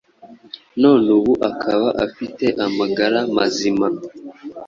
none ubu akaba afite amagara mazima,